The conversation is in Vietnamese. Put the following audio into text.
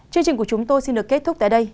chương trình của chúng tôi xin được kết thúc tại đây